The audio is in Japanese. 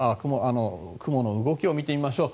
雲の動きを見てみましょう。